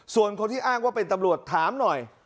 ส่วนคนที่อ้างว่าเป็นตำรวจถามหน่อย